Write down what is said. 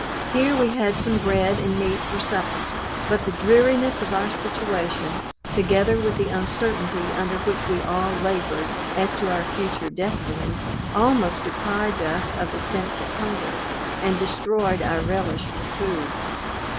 Here we had some bread and meat for supper: but the dreariness of our situation, together with the uncertainty under which we all labored, as to our future destiny, almost deprived us of the sense of hunger, and destroyed our relish for food.